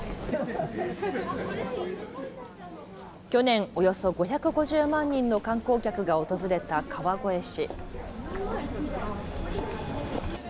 去年、およそ５５０万人の観光客が訪れた川越市。